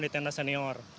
pengalaman di tenor senior